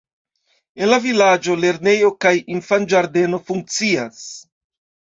En la vilaĝo lernejo kaj infanĝardeno funkcias.